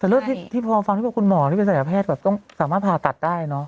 แต่เรื่องที่พอฟังที่บอกคุณหมอที่เป็นศัยแพทย์แบบต้องสามารถผ่าตัดได้เนอะ